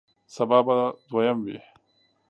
سبا به دویم وی